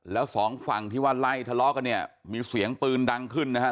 แล้วสองฝั่งที่ว่าไล่ทะเลาะกันเนี่ยมีเสียงปืนดังขึ้นนะฮะ